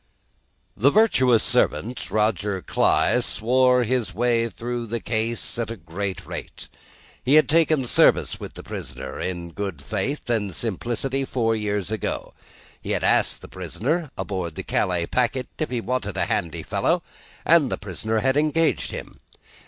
The virtuous servant, Roger Cly, swore his way through the case at a great rate. He had taken service with the prisoner, in good faith and simplicity, four years ago. He had asked the prisoner, aboard the Calais packet, if he wanted a handy fellow, and the prisoner had engaged him.